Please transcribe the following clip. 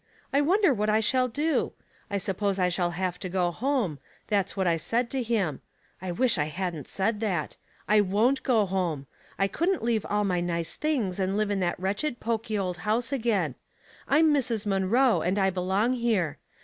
I wonder what I shall do ? I suppose I shall have to go home; that's what I said to him. I wish I hadn't said that. I won't go home. I couldn't leave all my nice things and live in that wretched, poky old house again. I'm Mrs. Munroe, and I belong here.